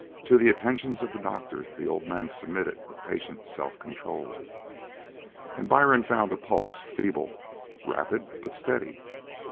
To the attentions of the doctor the old man submitted with patient self control, and Byrne found a pulse feeble, rapid, but steady.